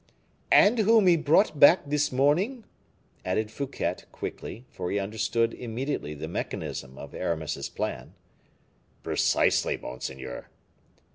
"And whom he brought back this morning?" added Fouquet, quickly: for he understood immediately the mechanism of Aramis's plan. "Precisely, monseigneur."